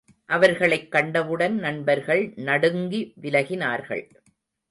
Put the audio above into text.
அவர்களைக் கண்டவுடன் நண்பர்கள் நடுங்கி விலகினார்கள்.